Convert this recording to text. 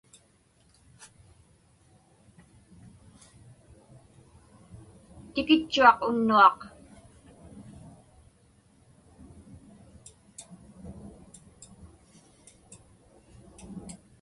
Tikitchuaq unnuaq.